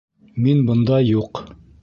Мин бында юҡ!